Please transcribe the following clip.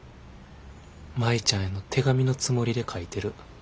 舞ちゃんへの手紙のつもりで書いてる。